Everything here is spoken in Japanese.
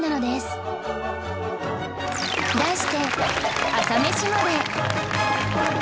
題して